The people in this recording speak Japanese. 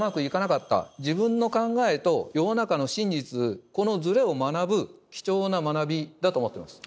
自分の考えと世の中の真実このズレを学ぶ貴重な学びだと思っています。